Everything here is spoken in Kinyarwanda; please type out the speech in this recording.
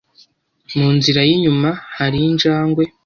Mu nzira yinyuma hari injangwe.